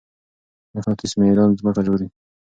مقناطيسي ميدان ځمکه ژغوري.